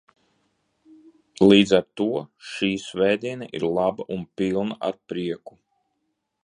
Līdz ar to, šī svētdiena ir laba un pilna ar prieku.